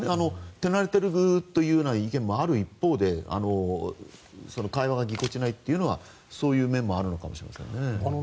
手慣れてるという意見もある一方で会話がぎこちないというのはそういう面もあるのかもしれないですね。